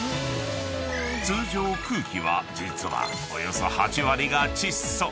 ［通常空気は実はおよそ８割が窒素］